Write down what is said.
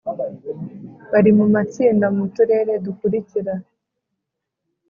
bari mumatsinda mu turere dukurikira